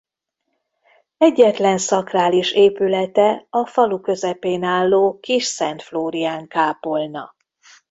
Egyetlen szakrális épülete a falu közepén álló kis Szent Flórián kápolna.